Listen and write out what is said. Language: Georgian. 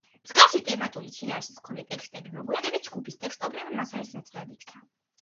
მსგავსი თემატური შინაარსის მქონე ტექსტები მოგვიანებით ჯგუფის ტექსტობრივი მასალის ნაწილად იქცა.